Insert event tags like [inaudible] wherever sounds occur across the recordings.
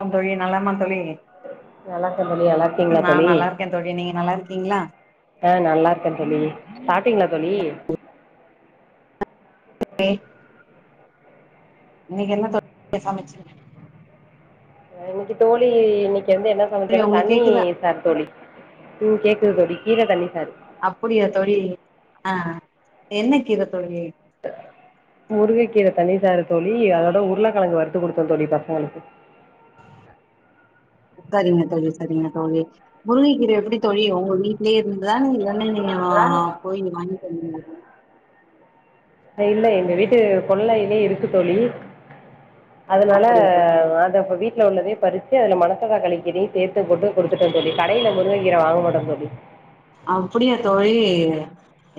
ஆம் தோழி நல்லமா தோழி நல்லா இருக்கே தோழி நல்லா இருக்கீங்களா நா தோழி நல்லா இருக்கே தோழி நீங்க நல்லா இருக்கீங்களா ஆ நல்லா இருக்கே தோழி சாப்டிங்களா தோழி [inaudible] இன்னைக்கு என்ன தோழி சமைச்சீங்க இன்னைக்கு தோழி இன்னைக்கு வந்து என்ன தோழி சமச்சேன்னா உங்களுக்கு தண்ணீ கேக்குதா சார் தோழி ம் கேக்குது தோழி கீர தண்ணி சாறு அப்படியா தோழி ஆ என்ன கீர தோழி முருங்க கீர தண்ணி சாறு தோழி அதோட உருளைக்கெழங்கு வரு த்து குடுத்த தோழி பசங்களுக்கு சரிங்க தோழி சரிங்க தோழி முருங்கைகீர எப்படி தோழி உங்க வீட்லயே இருந்து தானே இல்லன்னே நீங்க ஆ போயி நீங்க வாங்கிட்டு வருவீங்களா இல்ல எங்க வீட்டு கொள்ளையிலே இருக்கு தோழி அதனால அப்படியா தோழி அத வீட்ல உள்ளத பறிச்சு அதுல மனத்த தக்காளி கீீரயு சேத் போட்டு போட்டு குடுத்துட்ட தோழி கடயில முருங்கக்கீர வாங்க மாட்டோ தோழி அப்டியா தோழி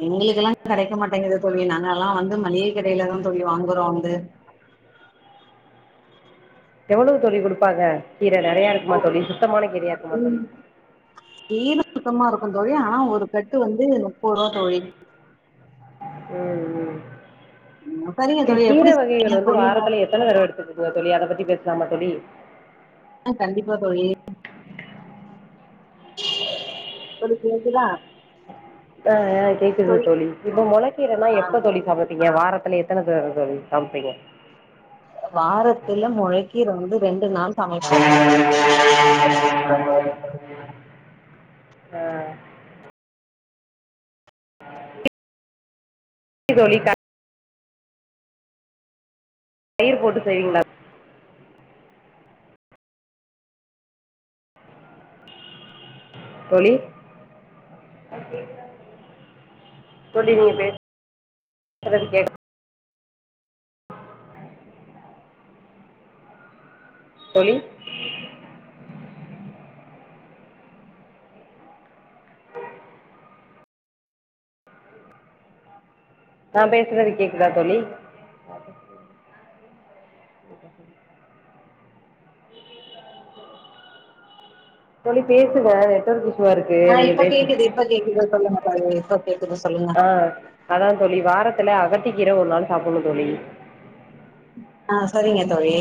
எங்களுக்கெல்லா கெடைக்க மாட்டேங்குத தோழி நாங்க எல்லா வந்து மளிகை கடையிலதா தோழி வாங்குறோ வந்து எவ்வளோ தோழி குடுப்பாங்க கீர நெறைய இருக்குமா தோழி சுத்தமான கீரையா இருக்குமா தோழி கீர சுத்தமா இருக்கோ தோழி ஆ ஒரு கட்டு வந்து முப்பது ரூவா தோழி சரிங்க க தோழி கீர எப்படி வகைகள் செய்வீங்க வந்து சொல்லுங்க வாரத்துல எத்தன தடவ எடுத்துக்குவீங்க தோழி அத பத்தி பேசலாமா தொழி ஆ கண்டிப்பா தோழி தோழி கேகுதா அ அ கேக்குது தோழி இப்ப மொளக்கீரன்னா ஆ எப்ப தோழி சமப்பீங்க வாரத் தன எத்தன தடவ தோழி சமப்பீங்க வாரத்துல மொளக்கீர வந்து ரெண்டு நாள் சமப்போ அ தோழி தயிர் போட்டு செய்வீங்களா தோழி தோழி நீங்க பே பேசறது கே தோழி நா பேசுறது கேக்குதா தோழி தோழி பேசுங்க நெட்வொர்க் இஷ்யூ வா இருக்கு ஆ நீங்க இப்ப பேச கேக்குது இப்ப கேக்குது சொல்லுங்க தோழி இப்ப கேக்குது சொல்லுங்க அ அதா தோழி வா வாரத்துல அகத்திக்கீர ஒரு நாள் சாப்டணு தோழி ஆ சரிங்க தோழி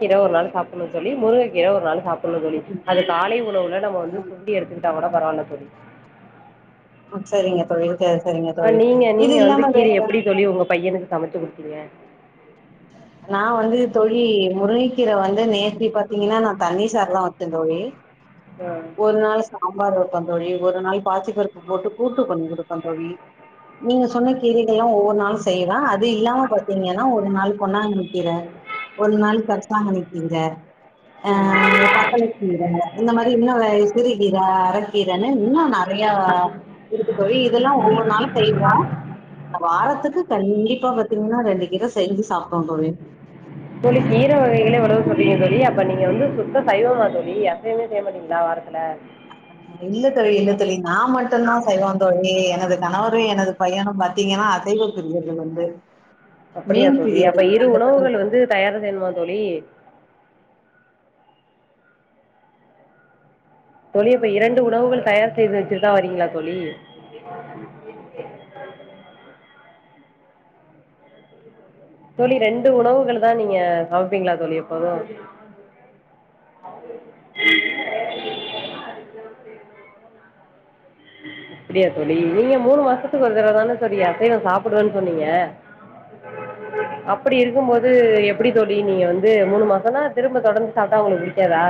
கீர ஒரு நாள் சாப்டணு தோழி முருங்க கீர ஒரு நாள் சாப்டணு தோழி அது காலை உணவுல நம்ம வந்து சுண்டி எடுத்து விட்டா கூட பரவால்ல தோழி ம் சரிங்க தோழி சரி சரிங்க அ தோழி நீங்க இது நீங்க வந்து இல்லாம வே கீரய எப்படி தோழி உங்க பையனுக்கு சமச்சு குடுத்தீங்க நா வந்து தோழி முருங்கைகீர வந்து நேத்தி பாத்தீங்கன்னா நா தண்ணீர் சார்ல்லா வச்சே தோழி ஆ ஒரு நாள் சாம்பார் வச் பந் தோழி ஒரு நாள் பாசி பருப்பு போட்டு கூட்டு பண்ணி குடுத்த தோழி நீங்க சொன்ன கீரைகள்ல்லா ஒவ்வொரு நாளு செய்வ அது இல்லாம பாத்தேங்னா ஒரு நாள் பொன்னாங்கண்ணி கீர ஒரு நாள் கர்சலாங்கண்ணி கீர அ பசளக்கீர இந்த மாறி இன்னு சிறுகீர அரக்கீரன்னு இன்னு நறை யா இருக்கு தோழி இதெல்லா ஒவ்வொரு நாளு செய்வோ வாரத்துக்கு கண்டிப்பா பாத்தீங்கன்னா ரெண்டு கீர செஞ்சி சாப்டோ தோழி தோழி கீர வகைகளே இவ்வளவு சொல்றீங்க தோழி அப்ப நீங்க வந்து சுத் த சைவமா தோழி அசைவமே செய்ய மாட்டீங்களா வாரத்ல இல்ல தோழி இல்ல தோழி நா மட்டுதா சைவோ தோழி என் னது கணவரு எனது பையனு பாத்தீங்கன்னா அசைவ பிரியர்கள் வந்து அப்படியா மீன் தோழி அப்ப இரு பிரியர்கள் உணவுகள் வந்து தயாரு செய்யணுமோ தோழி தோழி இப்ப இரண்டு உணவுகள் தயார் செய்து வச்சிட்டுதா வரீங்களா தோழி தோழி ரெண்டு உணவுகள் தா நீங்க சமைப்பீங்களா தோழி எப்போது [unintelligible] ப்டியா தோழி நீங்க மூணு மாசத்துக்கு ஒரு தடவதானே தோழி அசைவோ சாப்றன்னு சொன்னீங்க அப்டி இருக்கு போது எப்டி தோழி நீங்க வந்து மூணு மாசம்னா திரும்ப தொடர்ந்து சாப்டா உங்ளுக்கு பிடிக்காதா